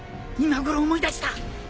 今ごろ思い出した。